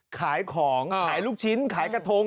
ขายของขายลูกชิ้นขายกระทง